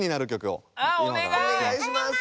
おねがいします！